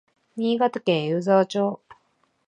新潟県湯沢町